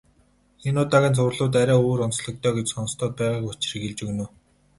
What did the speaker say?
Энэ удаагийн цувралууд арай өөр онцлогтой гэж сонстоод байгаагийн учрыг хэлж өгнө үү.